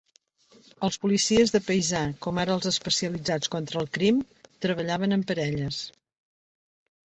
Els policies de paisà, com ara els especialitzats contra el crim, treballaven en parelles.